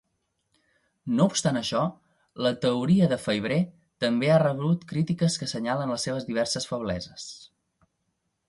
No obstant això, la teoria de Faivre també ha rebut crítiques que assenyalen les seves diverses febleses.